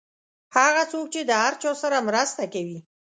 هغه څوک چې د هر چا سره مرسته کوي.